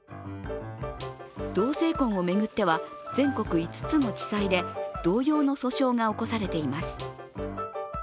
同性婚を巡っては、全国５つの地裁で同様の訴訟が起こされています。